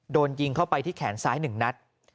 โดนยิงเข้าไปที่แขนซ้าย๑นัด